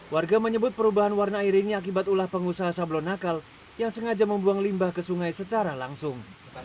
warga menyebut perubahan warna air ini akibat ulah pengusaha sablon nakal yang sengaja membuang limbah ke sungai secara langsung